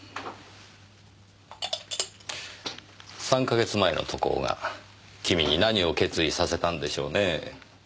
３カ月前の渡航が君に何を決意させたんでしょうねぇ。